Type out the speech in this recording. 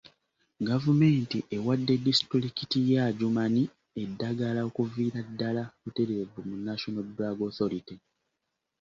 Gavumenti ewadde disitulikiti y'e Adjumani eddagala okuviira ddaala butereevu mu National Drug Authority.